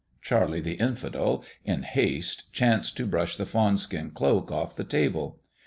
Charlie the Infidel, in haste, chanced to brush the fawn skin cloak off the table.